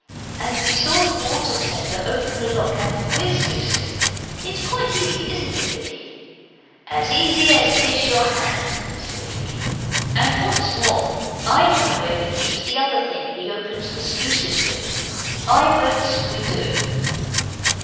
And we saw the water tender open the lock and the weir sluices. It's quite easy, isn't it, Dicky?' 'As easy as kiss your hand,' said Dicky; 'and what's more, I know where he keeps the other thing he opens the sluices with. I votes we do.